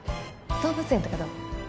動物園とかどう？